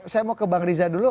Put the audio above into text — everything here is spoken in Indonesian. saya mau ke bang riza dulu